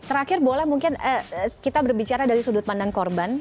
terakhir boleh mungkin kita berbicara dari sudut pandang korban